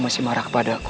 kau masih marah kepada aku